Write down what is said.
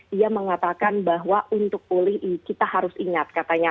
dia mengatakan bahwa untuk pulih kita harus ingat katanya